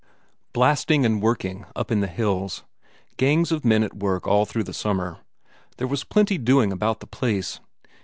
Blasting and working up in the hills, gangs of men at work all through the summer there was plenty doing about the place.